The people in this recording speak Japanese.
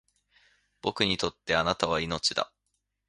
僕にとって貴方は命だ